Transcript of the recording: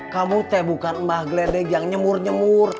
kamu teh bukan mbah gledek yang nyemur nyemur